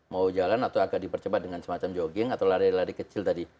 mau jalan atau agak dipercepat dengan semacam jogging atau lari lari kecil tadi